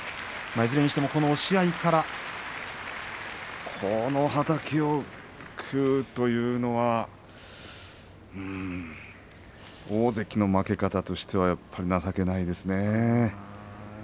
いずれにしても押し合いからこのはたきを食うというのは大関の負け方としては情けないですね。